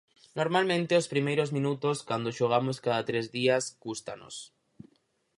Normalmente os primeiros minutos, cando xogamos cada tres días, cústannos.